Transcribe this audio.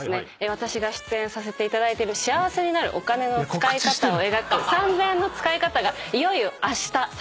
私が出演させていただいてる幸せになるお金の使い方を描く『三千円の使いかた』がいよいよあした最終回を迎えます。